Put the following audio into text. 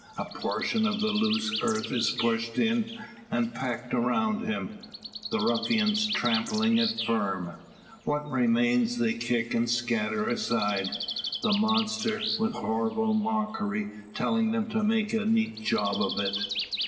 A portion of the loose earth is pushed in, and packed around him, the ruffians trampling it firm. What remains they kick and scatter aside; the monster, with horrible mockery, telling them to make a "neat job of it."